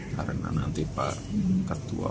karena nanti pak ketua